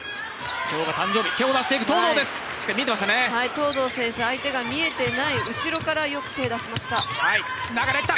東藤選手、相手が見えていない後ろからよく手を出しました。